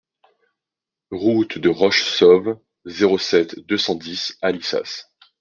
Route de Rochessauve, zéro sept, deux cent dix Alissas